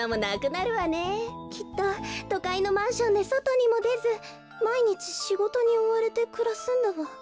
きっととかいのマンションでそとにもでずまいにちしごとにおわれてくらすんだわ。